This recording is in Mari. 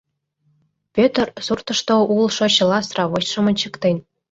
Пӧтыр суртышто улшо чыла сравочшым ончыктен.